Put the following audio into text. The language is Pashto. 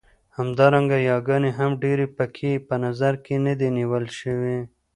همدارنګه ياګانې هم ډېرې پکې په نظر کې نه دي نيول شوې.